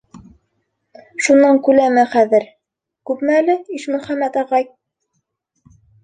Шуның күләме хәҙер... күпме әле, Ишмөхәмәт ағай?